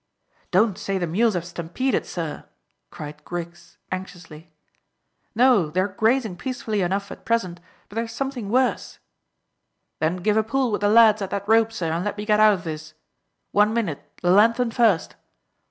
"Don't say the mules have stampeded, sir?" cried Griggs anxiously. "No; they're grazing peacefully enough at present, but there's something worse." "Then give a pull with the lads at that rope, sir, and let me get out of this. One minute; the lanthorn first."